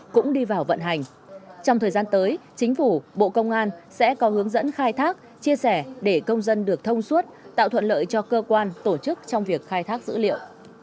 cũng đi vào vận hành trong thời gian tới chính phủ bộ công an sẽ có hướng dẫn khai thác chia sẻ để công dân được thông suốt tạo thuận lợi cho cơ quan tổ chức trong việc khai thác dữ liệu